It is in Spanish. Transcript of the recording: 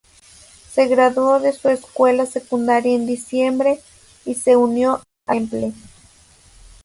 Se graduó de su escuela secundaria en diciembre y se unió a Temple.